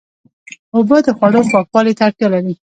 اوبه د خوړو پاکوالي ته اړتیا لري.